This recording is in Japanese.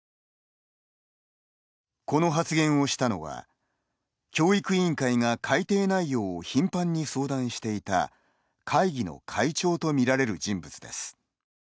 この発言をしたのは教育委員会が改訂内容を頻繁に相談していた会議の会長とみられる人物です。